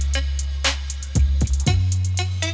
baik tak apa